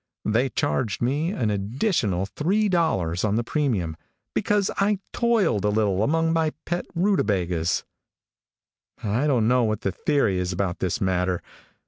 They charged me an additional three dollars on the premium, because I toiled a little among my pet rutabagas. "I don't know what the theory is about this matter.